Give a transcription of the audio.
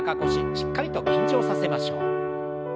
しっかりと緊張させましょう。